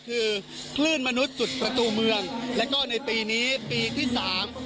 คือคลื่นมนุษย์จุดประตูเมืองแล้วก็ในปีนี้ปีที่สาม